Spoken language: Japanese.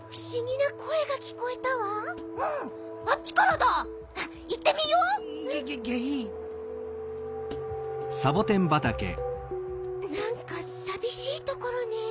なんかさびしいところねえ。